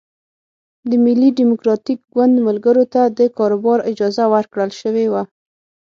د ملي ډیموکراتیک ګوند ملګرو ته د کاروبار اجازه ورکړل شوې وه.